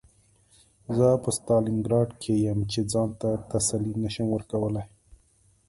زه په ستالینګراډ کې یم چې ځان ته تسلي نشم ورکولی